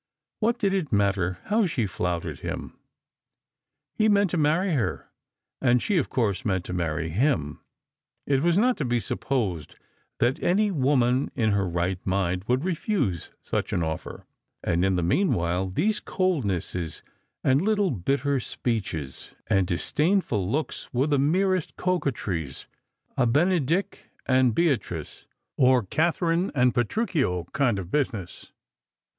What did it matter how she flouted him ? He meant to marry her, and she of course meant to marry him. It was not to be sup[)osed that any woman in hor right mind would refuse such an off'er. And in the mean while these coldnesses, and little bitter speeches, and disdainful looks were the merest coquetries — a Benedick and Beatrioe or Katherine and Petruchio kind of business.